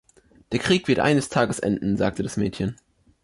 „Der Krieg wird eines Tages enden,“ sagte das Mädchen.